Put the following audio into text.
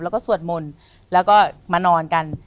แล้วก็สวดมนต์แล้วก็มานอนกัน